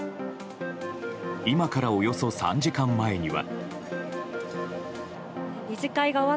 今からおよそ３時間前には。